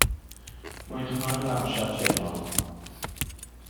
Mwynha'r lawnsiad heno.